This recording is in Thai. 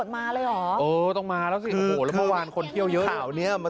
ไม่ขยันเลย